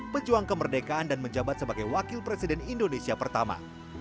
pejuang kemerdekaan dan menjabat sebagai wakil presiden indonesia pertama